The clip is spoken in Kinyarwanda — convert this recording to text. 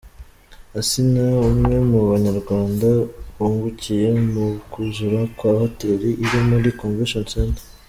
Asinah umwe mu banyarwanda bungukiye mu kuzura kwa hotel iri muri Convention center.